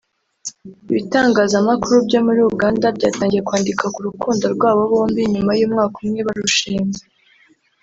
Ibitangazamakuru byo muri Uganda byatangiye kwandika ku rukundo rw’abo bombi nyuma y’umwaka umwe barushinze